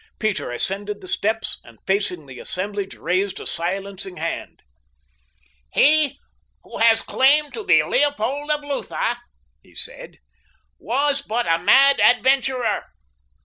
Peter ascended the steps and facing the assemblage raised a silencing hand. "He who claimed to be Leopold of Lutha," he said, "was but a mad adventurer.